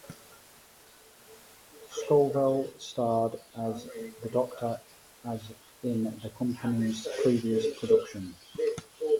Scovell starred as the Doctor, as in the company's previous productions.